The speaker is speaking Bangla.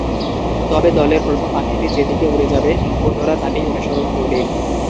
তবে দলের প্রথম পাখিটি যে দিকে উড়ে যাবে, অন্যরা তাকেই অনুসরণ করবে।